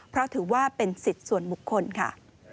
เพราะถือว่าเป็นสิทธิ์ส่วนบุคคลค่ะ